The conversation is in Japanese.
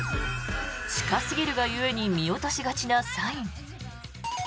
近すぎるが故に見落としがちなサイン。